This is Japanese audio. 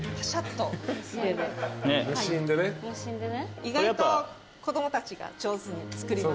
意外と子供たちが上手に作ります